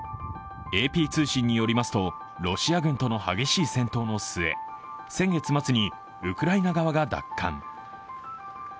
ＡＰ通信によりますと、ロシア軍との激しい戦闘の末、先月末にウクライナ側が奪還。